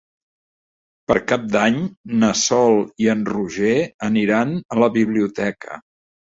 Per Cap d'Any na Sol i en Roger aniran a la biblioteca.